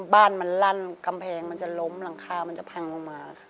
บ้านมันลั่นกำแพงมันจะล้มหลังคามันจะพังลงมา